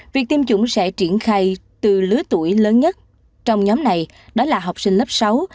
việc tiêm chủng sẽ triển khai từ lứa tuổi lớn nhất trong nhóm này đó là học sinh lớp sáu